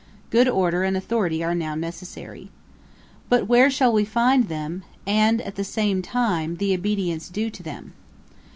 Good order and authority are now necessary. But where shall we find them, and, at the same time, the obedience due to them?